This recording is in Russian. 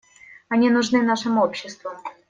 Они нужны нашим обществам.